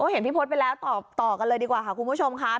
เห็นพี่พศไปแล้วต่อกันเลยดีกว่าค่ะคุณผู้ชมค่ะ